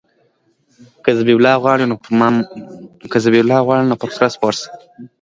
په دې کې معنوي، اخلاقي او ټولنیز ارزښتونه شامل دي.